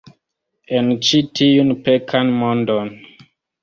En ĉi tiun pekan mondon.